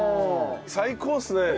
最高っすね！